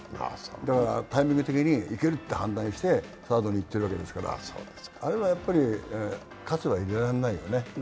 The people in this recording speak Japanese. だからタイミング的にいけるって判断してサードに行っているわけですからあれはやっぱり喝は入れられないよね？